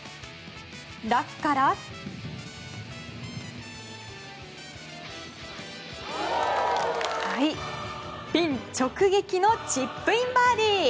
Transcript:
ラフからピン直撃のチップインバーディー。